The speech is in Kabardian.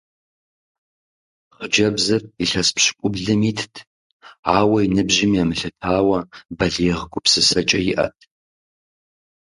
Хъыджэбзыр илъэс пщыкӀублым итт, ауэ, и ныбжьым емылъытауэ, балигъ гупсысэкӀэ иӀэт.